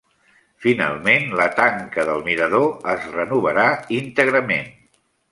Finalment, la tanca del mirador es renovarà íntegrament.